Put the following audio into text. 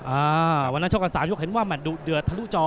อ่าวันนั้นชกกันสามยกเห็นว่ามันดุเดือดทะลุจอ